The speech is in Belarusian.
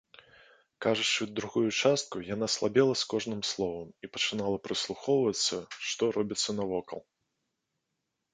Кажучы другую частку, яна слабела з кожным словам і пачынала прыслухоўвацца, што робіцца навокал.